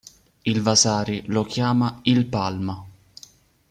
Il Vasari lo chiama "Il Palma".